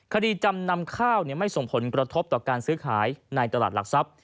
จำนำข้าวไม่ส่งผลกระทบต่อการซื้อขายในตลาดหลักทรัพย์